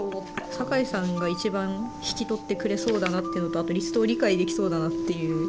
坂井さんが一番引き取ってくれそうだなっていうのとあとリストを理解できそうだなっていう。